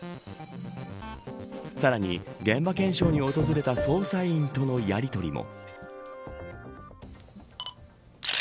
さらに、現場検証に訪れた捜査員とのやりとりも。